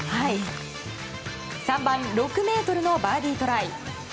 ３番、６ｍのバーディートライ。